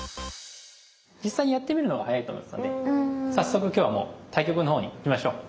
実際にやってみるのが早いと思いますので早速今日は対局のほうにいきましょう。